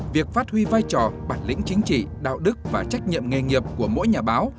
việc phát huy vai trò bản lĩnh chính trị đạo đức và trách nhiệm nghề nghiệp của mỗi nhà báo